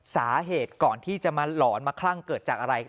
สาเหตุก่อนที่จะมาหลอนมาคลั่งเกิดจากอะไร